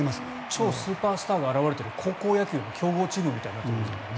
超スーパースターが現れてる高校野球の強豪チームみたいになってるんですね。